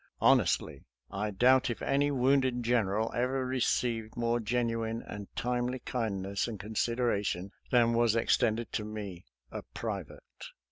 Honestly, I doubt if any wounded general ever received more gen uine and timely kindness and consideration than was extended to me, a private.